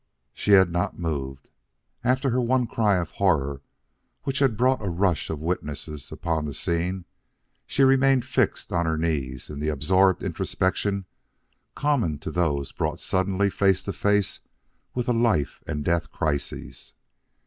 "'She had not moved. After her one cry of horror which had brought a rush of witnesses upon the scene, she remained fixed on her knees in the absorbed introspection common to those brought suddenly face to face with a life and death crisis.